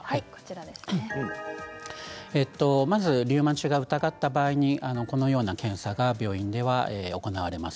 まずリウマチを疑われた場合、このような検査が病院では行われます。